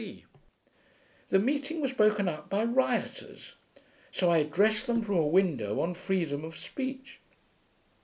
D.C. The meeting was broken up by rioters. So I addressed them from a window on freedom of speech.